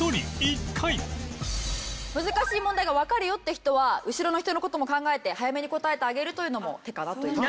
難しい問題がわかるよって人は後ろの人の事も考えて早めに答えてあげるというのも手かなという。